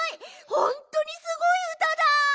ほんとにすごいうただ！